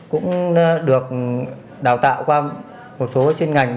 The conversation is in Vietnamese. cũng được đào tạo qua một số chuyên ngành